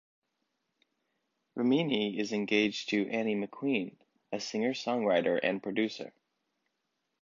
Ramini is engaged to Annie McQueen, a singer-songwriter and producer.